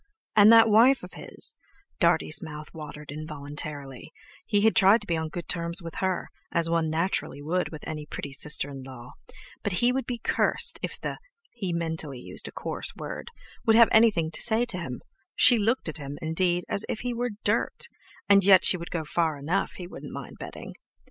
And that wife of his (Dartie's mouth watered involuntarily), he had tried to be on good terms with her, as one naturally would with any pretty sister in law, but he would be cursed if the (he mentally used a coarse word)—would have anything to say to him—she looked at him, indeed, as if he were dirt—and yet she could go far enough, he wouldn't mind betting.